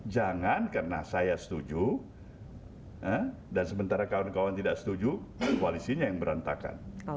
jangan karena saya setuju dan sementara kawan kawan tidak setuju koalisinya yang berantakan